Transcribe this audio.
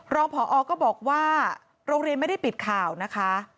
รองผอก็บอกว่าโรงเรียนไม่ได้ปิดข่าวนะคะ